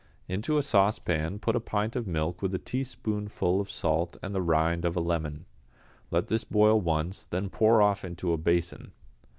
Into a saucepan put a pint of milk with a teaspoonful of salt and the rind of a lemon. Let this boil once, then pour off into a basin.